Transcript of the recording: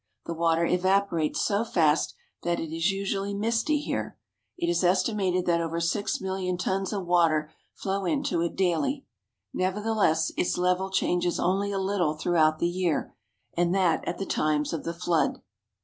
The water evaporates so fast that it is usually misty here. It is estimated that over six million tons of water flow into it daily. Never theless, its level changes only a little throughout the year, and that at the times of the flood.